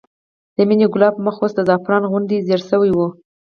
د مينې ګلابي مخ اوس د زعفران غوندې زېړ شوی و